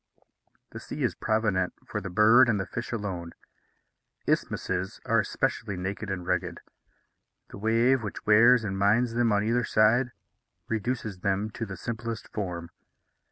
The sea is provident for the bird and the fish alone. Isthmuses are especially naked and rugged; the wave, which wears and mines them on either side, reduces them to the simplest form.